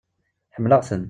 Ḥemmleɣ-ten.